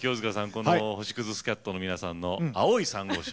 この星屑スキャットの皆さんの「青い珊瑚礁」。